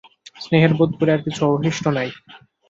স্নেহের বােধ করি আর কিছু অবশিষ্ট নাই।